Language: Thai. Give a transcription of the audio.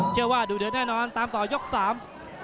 เชื่อว่าดูเดือดแน่นอนตามต่อยกสาม